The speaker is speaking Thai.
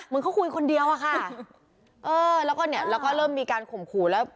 มึงเขาคุยคนเดียวอ่ะค่ะแล้วก็เริ่มมีการข่มขู่แล้ว